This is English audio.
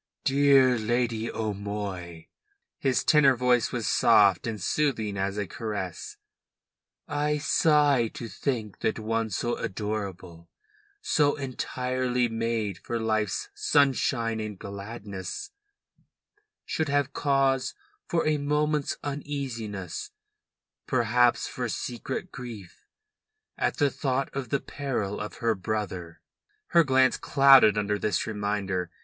"Dear Lady O'Moy," his tenor voice was soft and soothing as a caress, "I sigh to think that one so adorable, so entirely made for life's sunshine and gladness, should have cause for a moment's uneasiness, perhaps for secret grief, at the thought of the peril of her brother." Her glance clouded under this reminder.